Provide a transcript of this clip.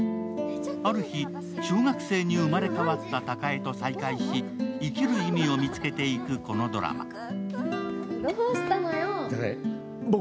ある日、小学生に生まれ変わった貴恵と再会し、生きる意味を見つけていくこのドラマ。